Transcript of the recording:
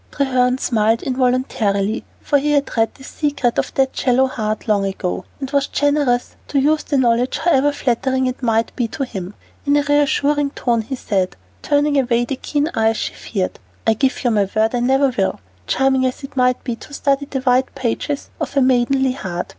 Treherne smiled involuntarily, for he had read the secret of that shallow heart long ago, and was too generous to use the knowledge, however flattering it might be to him. In a reassuring tone he said, turning away the keen eyes she feared, "I give you my word I never will, charming as it might be to study the white pages of a maidenly heart.